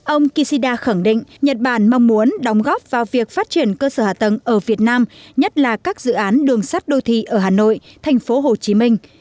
ông kishida khẳng định nhật bản mong muốn đóng góp vào việc phát triển cơ sở hạ tầng ở việt nam nhất là các dự án đường sắt đô thị ở hà nội thành phố hồ chí minh